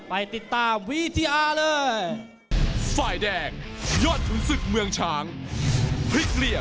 ไปติดตามวีทีอาร์เลย